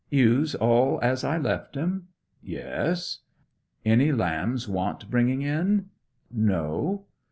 'Ewes all as I left 'em?' 'Yes.' 'Any lambs want bringing in?' 'No.'